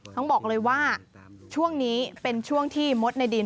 ต้องบอกเลยว่าช่วงนี้เป็นช่วงที่มดในดิน